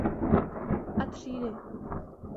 A třídy.